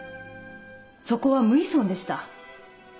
そこは無医村でした。